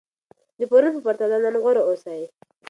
د پرون په پرتله نن غوره اوسئ.